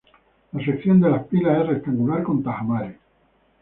La sección de las pilas es rectangular con tajamares.